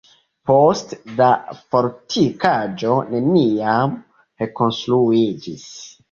Poste la fortikaĵo neniam rekonstruiĝis.